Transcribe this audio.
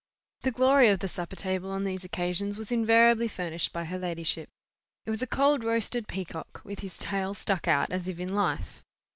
The glory of the supper table on these occasions was invariably furnished by her ladyship: it was a cold roasted peacock, with his tail stuck out as if in life.